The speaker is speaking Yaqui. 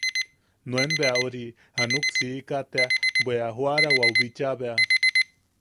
Nuen bea... ori... a nuksika tea bwe a joarawau bicha bea.